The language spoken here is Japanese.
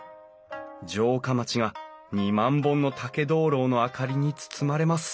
城下町が２万本の竹灯籠の明かりに包まれます